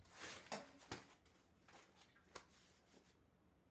Tyto posily rázem učinily z týmu favorita na vítězství v Primera División.